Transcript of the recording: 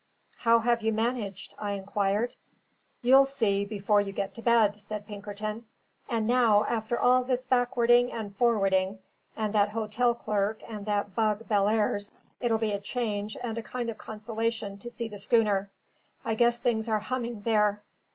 "How have you managed?" I inquired. "You'll see before you get to bed," said Pinkerton. "And now, after all this backwarding and forwarding, and that hotel clerk, and that bug Bellairs, it'll be a change and a kind of consolation to see the schooner. I guess things are humming there."